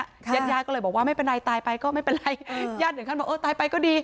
เย็ดย่าก็เลยบอกว่าไม่เป็นไรตายไปก็ไม่เป็นไรย่านเด็กข้างบอกตายไปก็ดี